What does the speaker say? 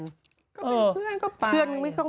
ก็เป็นเพื่อนก็ไป